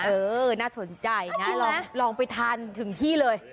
เออน่าสนใจนะลองไปทานถึงที่เลย